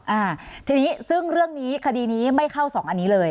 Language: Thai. อ่าทีนี้ซึ่งเรื่องนี้คดีนี้ไม่เข้าสองอันนี้เลย